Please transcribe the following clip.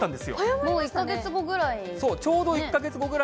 もう１か月後ぐらい。